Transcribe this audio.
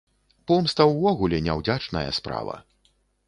Помста ўвогуле няўдзячная справа.